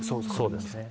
そうですね。